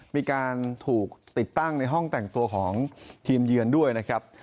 มีการถูกติดตั้งในห้องแต่งตัวของทีมเยือนด้วยนะครับ